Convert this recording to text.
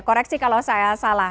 koreksi kalau saya salah